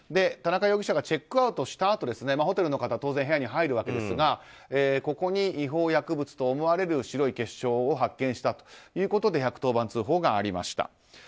田中容疑者がチェックアウトしたあとホテルの方当然、部屋に入るわけですがここに違法薬物と思われる白い結晶を発見したということで１１０番通報がありました。